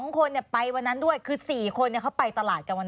๒คนไปวันนั้นด้วยคือ๔คนเขาไปตลาดกันวัน